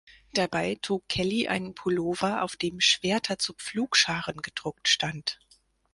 Dabei trug Kelly einen Pullover, auf dem „Schwerter zu Pflugscharen“ gedruckt stand.